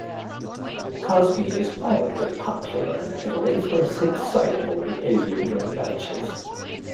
Cosmi is widely popular in Italy for his excitable behaviour during matches.